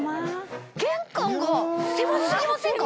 玄関がセマすぎませんか？